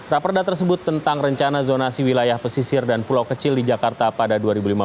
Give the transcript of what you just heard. raperda tersebut tentang rencana zonasi wilayah pesisir dan pulau kecil di jakarta pada dua ribu lima belas dua ribu tiga puluh lima